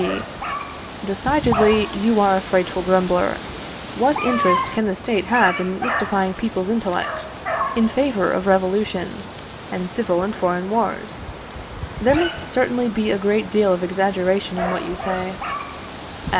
B. Decidedly, you are a frightful grumbler. What interest can the State have in mystifying people's intellects in favour of revolutions, and civil and foreign wars? There must certainly be a great deal of exaggeration in what you say.